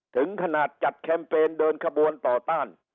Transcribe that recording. ถึงขนาดจัดแคมเปญเดินขบวนต่อต้าน